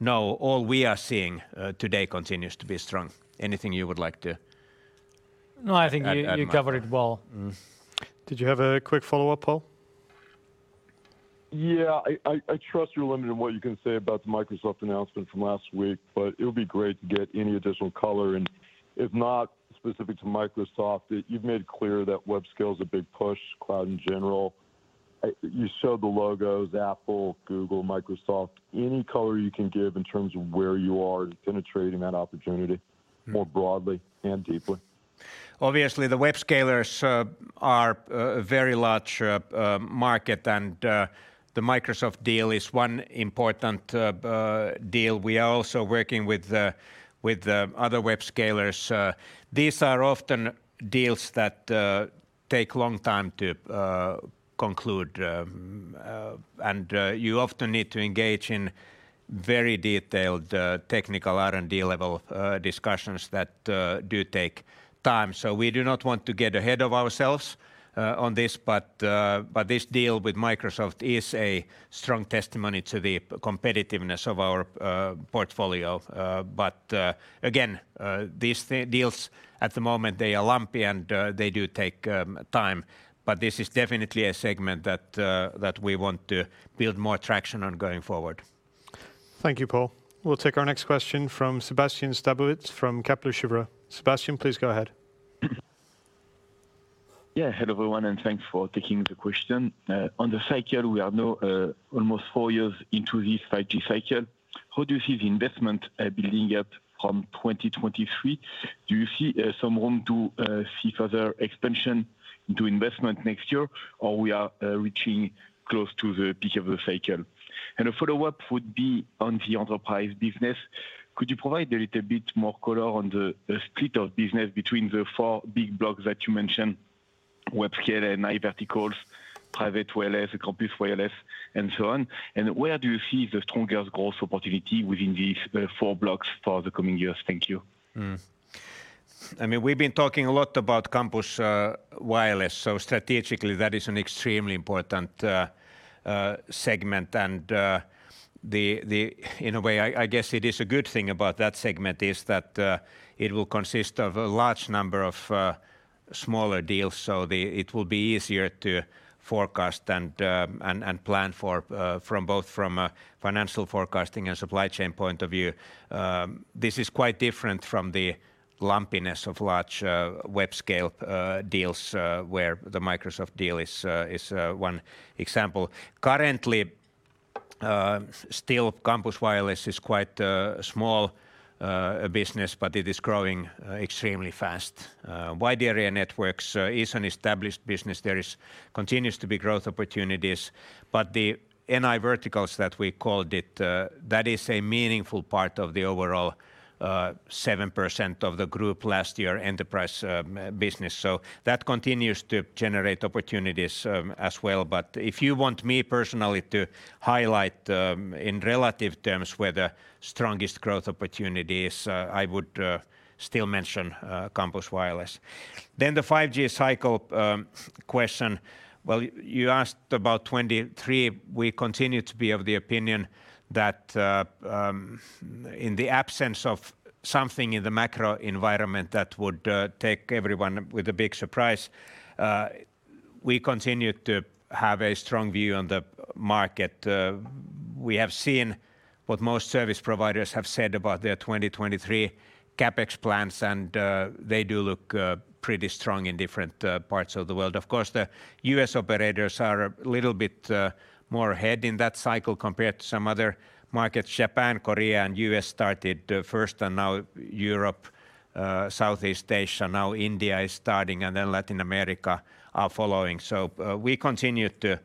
know. All we are seeing today continues to be strong. Anything you would like to add, Marco? No, I think you covered it well. Did you have a quick follow-up, Paul? Yeah. I trust you're limited in what you can say about the Microsoft announcement from last week, but it would be great to get any additional color, and if not specific to Microsoft, you've made clear that web scale is a big push, cloud in general. You showed the logos, Apple, Google, Microsoft. Any color you can give in terms of where you are penetrating that opportunity more broadly and deeply? Obviously, the web scalers are a very large market, and the Microsoft deal is one important deal. We are also working with other web scalers. These are often deals that take long time to conclude, and you often need to engage in very detailed technical R&D level discussions that do take time. We do not want to get ahead of ourselves on this, but this deal with Microsoft is a strong testimony to the competitiveness of our portfolio. Again, these deals at the moment, they are lumpy and they do take time, but this is definitely a segment that we want to build more traction on going forward. Thank you, Paul. We'll take our next question from Sébastien Sztabowicz from Kepler Cheuvreux. Sébastien, please go ahead. Yeah, hello everyone, and thanks for taking the question. On the cycle, we are now almost four years into this 5G cycle. How do you see the investment building up from 2023? Do you see some room to see further expansion to investment next year? Or we are reaching close to the peak of the cycle? A follow-up would be on the enterprise business. Could you provide a little bit more color on the split of business between the four big blocks that you mentioned, web scale and verticals, private wireless, campus wireless and so on? And where do you see the strongest growth opportunity within these four blocks for the coming years? Thank you. I mean, we've been talking a lot about campus wireless, so strategically that is an extremely important segment. In a way I guess it is a good thing about that segment is that it will consist of a large number of smaller deals. It will be easier to forecast and plan for from both a financial forecasting and supply chain point of view. This is quite different from the lumpiness of large web scale deals where the Microsoft deal is one example. Currently, still campus wireless is quite small business, but it is growing extremely fast. Wide area networks is an established business. There continues to be growth opportunities. The NI verticals that we called it, that is a meaningful part of the overall, 7% of the group last year enterprise business. That continues to generate opportunities, as well. If you want me personally to highlight, in relative terms where the strongest growth opportunity is, I would still mention, campus wireless. The 5G cycle question. Well, you asked about 2023. We continue to be of the opinion that, in the absence of something in the macro environment that would take everyone with a big surprise, we continue to have a strong view on the market. We have seen what most service providers have said about their 2023 CapEx plans, and they do look pretty strong in different parts of the world. Of course, the U.S. operators are a little bit more ahead in that cycle compared to some other markets. Japan, Korea and U.S. started first and now Europe, Southeast Asia, now India is starting, and then Latin America are following. We continue to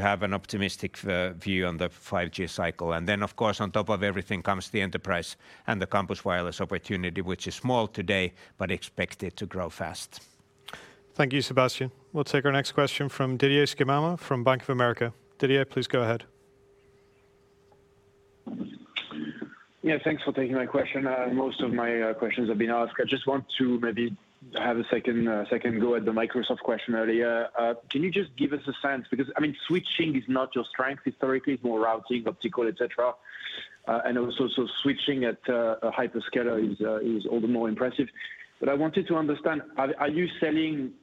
have an optimistic view on the 5G cycle. Of course, on top of everything comes the enterprise and the campus wireless opportunity, which is small today, but expected to grow fast. Thank you, Sébastien. We'll take our next question from Didier Scemama from Bank of America. Didier, please go ahead. Yeah, thanks for taking my question. Most of my questions have been asked. I just want to maybe have a second go at the Microsoft question earlier. Can you just give us a sense because I mean, switching is not your strength historically, it's more routing, optical, et cetera. Also switching at a hyperscaler is all the more impressive. I wanted to understand, are you selling,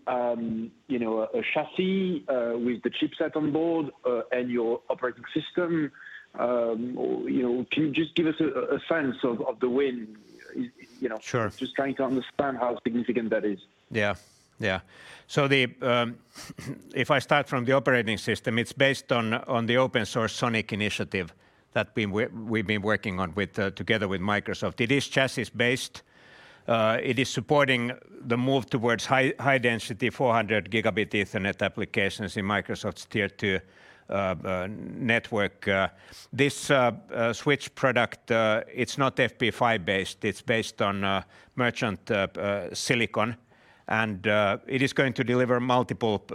you know, a chassis with the chipset on board and your operating system? You know, can you just give us a sense of the win, you know? Sure. Just trying to understand how significant that is. Yeah, yeah. If I start from the operating system, it's based on the open source SONiC initiative that we've been working on together with Microsoft. It is chassis-based. It is supporting the move towards high density 400 gigabit Ethernet applications in Microsoft's Tier 2 network. This switch product, it's not FP5 based. It's based on merchant silicon. It is going to deliver multiple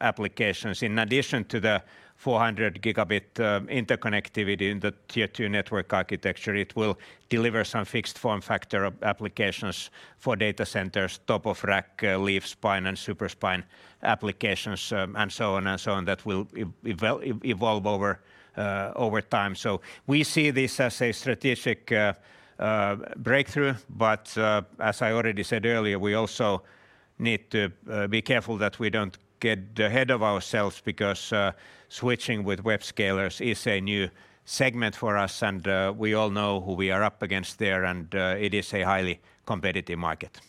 applications. In addition to the 400 gigabit interconnectivity in the Tier 2 network architecture, it will deliver some fixed form factor applications for data centers, top of rack leaf spine and super spine applications, and so on, that will evolve over time. We see this as a strategic breakthrough. As I already said earlier, we also need to be careful that we don't get ahead of ourselves because switching with web scalers is a new segment for us, and we all know who we are up against there and it is a highly competitive market.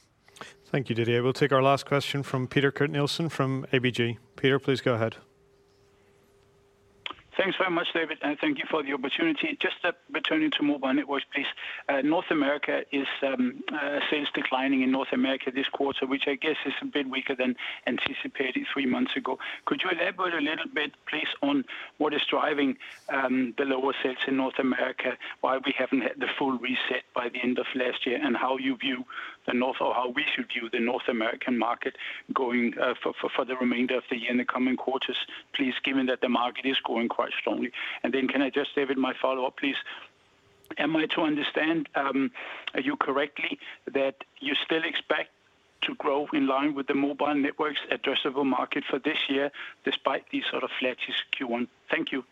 Thank you, Didier. We'll take our last question from Peter Kurt Nielsen from ABG. Peter, please go ahead. Thanks very much, David, and thank you for the opportunity. Just returning to Mobile Networks, please. Sales declining in North America this quarter, which I guess is a bit weaker than anticipated three months ago. Could you elaborate a little bit, please, on what is driving the lower sales in North America, why we haven't had the full reset by the end of last year, and how you view the North or how we should view the North American market going for the remainder of the year in the coming quarters, please, given that the market is growing quite strongly? Can I just, David, my follow-up, please. Am I to understand you correctly that you still expect to grow in line with the Mobile Networks' addressable market for this year despite these sort of flattish Q1? Thank you.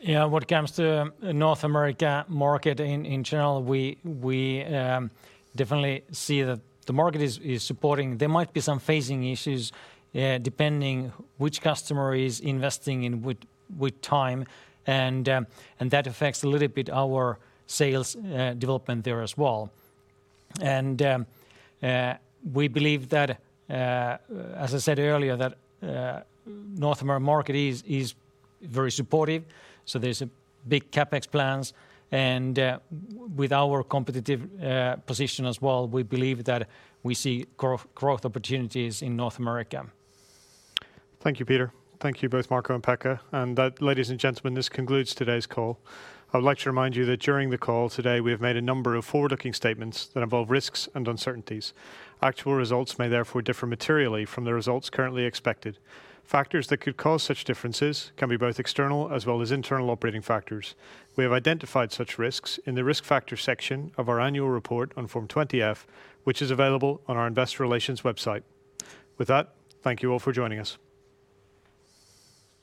Yeah. When it comes to North America market in general, we definitely see that the market is supporting. There might be some phasing issues, depending which customer is investing in with time, and that affects a little bit our sales development there as well. We believe that, as I said earlier, North America market is very supportive. There's a big CapEx plans. With our competitive position as well, we believe that we see growth opportunities in North America. Thank you, Peter. Thank you both Marco and Pekka. That, ladies and gentlemen, this concludes today's call. I would like to remind you that during the call today, we have made a number of forward-looking statements that involve risks and uncertainties. Actual results may therefore differ materially from the results currently expected. Factors that could cause such differences can be both external as well as internal operating factors. We have identified such risks in the Risk Factors section of our annual report on Form 20-F, which is available on our investor relations website. With that, thank you all for joining us.